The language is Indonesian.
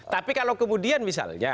tapi kalau kemudian misalnya